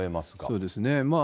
そうですね。